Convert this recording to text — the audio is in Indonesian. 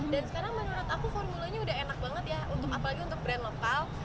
dan sekarang menurut aku formulanya udah enak banget ya apalagi untuk brand lokal